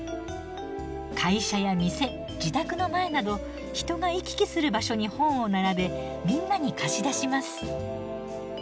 会社や店自宅の前など人が行き来する場所に本を並べみんなに貸し出します。